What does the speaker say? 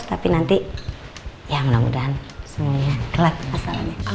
tapi nanti ya mudah mudahan semuanya telat masalahnya